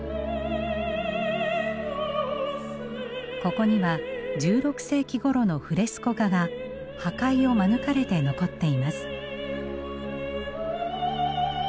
ここには１６世紀ごろのフレスコ画が破壊を免れて残っています。